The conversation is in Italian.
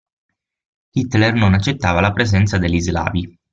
Hitler non accettava la presenza degli slavi.